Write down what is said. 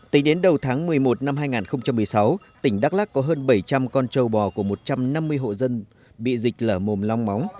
tính đến đầu tháng một mươi một năm hai nghìn một mươi sáu tỉnh đắk lắc có hơn bảy trăm linh con trâu bò của một trăm năm mươi hộ dân bị dịch lở mồm long móng